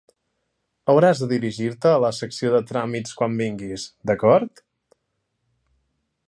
Hauràs de dirigir-te a la secció de tràmits quan vinguis, d'acord?